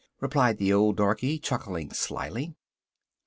replied the old darkey, chuckling slyly.